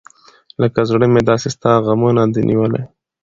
لکه زړه مې داسې ستا غمونه دى نیولي .